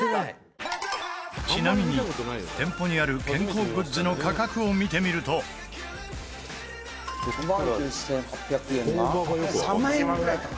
ちなみに、店舗にある健康グッズの価格を見てみると和田：「６万９８００円が３万円ぐらいかな？」